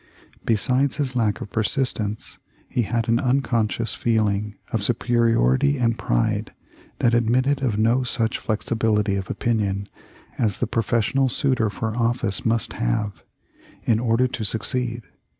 Besides his lack of persistence, he had an unconscious feeling of superiority and pride that admitted of no such flexibility of opinion as the professional suitor for office must have, in order to succeed.